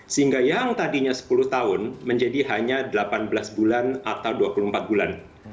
sehingga yang tadinya sepuluh tahun menjadi hanya delapan belas bulan atau dua puluh empat bulan